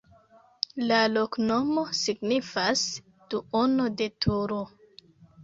La loknomo signifas: duono de turo.